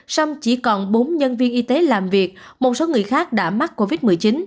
xong chỉ còn bốn nhân viên y tế làm việc một số người khác đã mắc covid một mươi chín